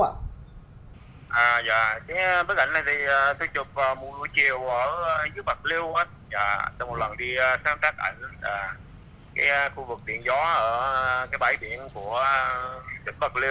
dạ bức ảnh này tôi chụp vào mùa chiều